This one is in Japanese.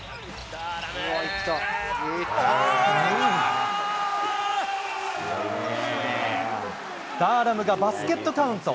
ダーラムがバスケットカウント。